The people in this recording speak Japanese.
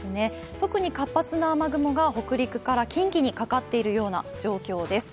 特に活発な雨雲が北陸から近畿にかかっている状況です。